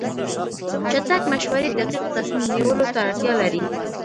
چټک مشورې دقیق تصمیم نیولو ته اړتیا لري.